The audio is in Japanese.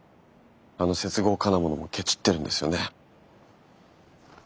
あの接合金物もケチってるんですよね。